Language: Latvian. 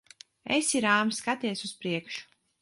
Esi rāms. Skaties uz priekšu.